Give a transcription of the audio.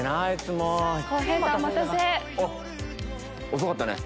遅かったね。